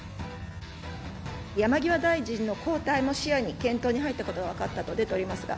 山際大臣の交代も視野に検討に入ったことが分かったと出ておりますが。